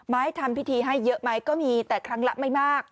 ทำพิธีให้เยอะไหมก็มีแต่ครั้งละไม่มาก